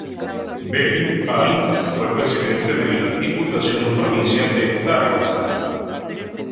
Del al fue presidente de la Diputación Provincial de Zaragoza.